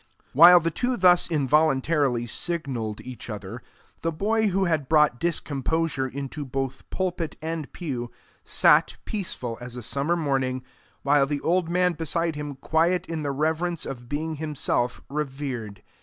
While the two thus involuntarily signalled each other, the boy who had brought discomposure into both pulpit and pew, sat peaceful as a summer morning, with the old man beside him quiet in the reverence of being himself revered.